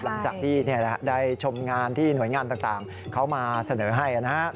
หลังจากที่ได้ชมงานที่หน่วยงานต่างเขามาเสนอให้นะฮะ